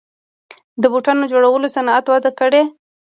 د بوټانو جوړولو صنعت وده کړې